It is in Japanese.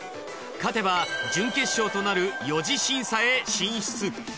勝てば準決勝となる四次審査へ進出。